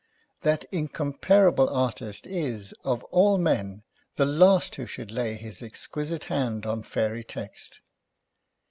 That incomparable artist is, of all men, the last who should lay his exquisite hand on fairy text.